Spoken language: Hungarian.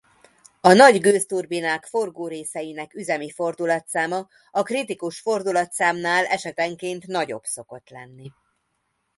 A nagy gőzturbinák forgórészeinek üzemi fordulatszáma a kritikus fordulatszámnál esetenként nagyobb szokott lenni.